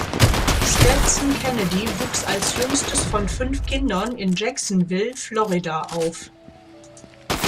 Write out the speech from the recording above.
Stetson Kennedy wuchs als jüngstes von fünf Kindern in Jacksonville, Florida auf.